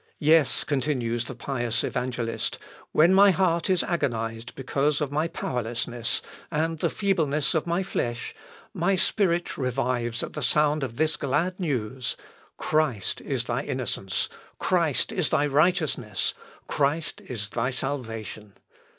"Yes," continues the pious evangelist, "when my heart is agonised because of my powerlessness, and the feebleness of my flesh, my spirit revives at the sound of this glad news: Christ is thy innocence! Christ is thy righteousness! Christ is thy salvation!